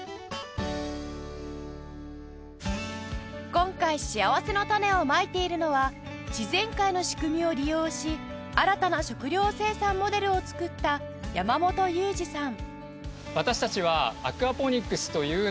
今回しあわせのたねをまいているのは自然界の仕組みを利用し新たな食料生産モデルを作った山本祐二さん